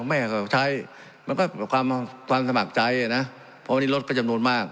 ไม่ใช่มันก็ความความสมัครใจอ่ะน่ะเพราะวันนี้ลดประจำนวนมาก